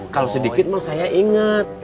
kalau sedikit mah saya ingat